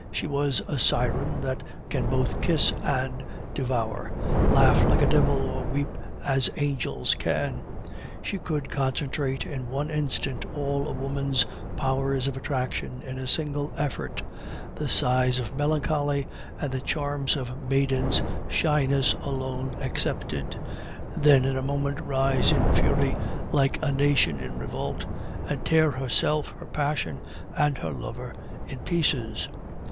She was a siren that can both kiss and devour; laugh like a devil, or weep as angels can. She could concentrate in one instant all a woman's powers of attraction in a single effort (the sighs of melancholy and the charms of maiden's shyness alone excepted), then in a moment rise in fury like a nation in revolt, and tear herself, her passion, and her lover, in pieces.